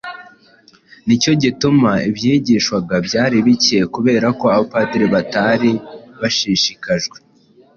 Nicyo gituma ibyigishwaga byari bikeya kubera ko Abapadiri batari bashishikajwe